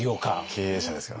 経営者ですからね。